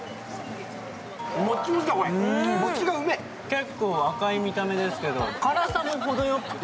結構赤い見た目ですけど辛さもほどよくて。